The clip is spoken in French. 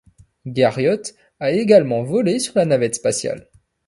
Garriott a également volé sur la navette spatiale.